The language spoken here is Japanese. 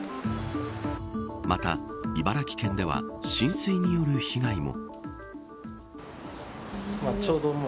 また、茨城県では浸水による被害も。